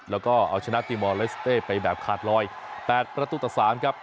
แล้วก็เอาชนะตีมอเดสเตไปแบบขาดรอยแปดประตุษตัวสามครับ